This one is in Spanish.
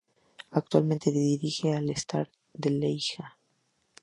Actualmente dirige al Standard de Lieja.